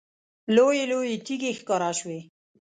لویې لویې تیږې ښکاره شوې.